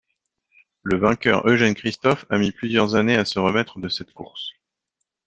Le vainqueur Eugène Christophe a mis plusieurs années à se remettre de cette course.